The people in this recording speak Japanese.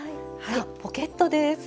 ポケットです。